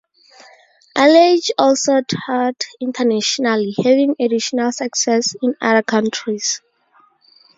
Alliage also toured internationally, having additional success in other countries.